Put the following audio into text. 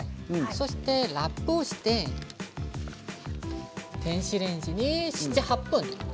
そしてラップをして電子レンジに７、８分。